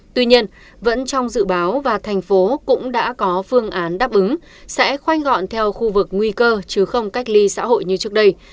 tuy nhiên vẫn trong dự báo và thành phố cũng đã có phương án đáp ứng sẽ khoanh gọn theo khu vực nguy cơ chứ không cách ly xã hội như trước đây